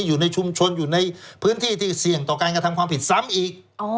อยู่ในชุมชนอยู่ในพื้นที่ที่เสี่ยงต่อการกระทำความผิดซ้ำอีก